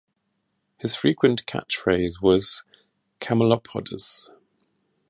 His frequent catchphrase was Camelopardus!